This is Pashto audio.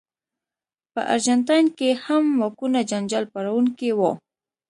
په ارجنټاین کې هم واکونه جنجال پاروونکي وو.